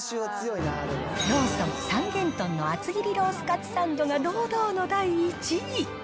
ローソン、三元豚の厚切りロースカツサンドが堂々の第１位。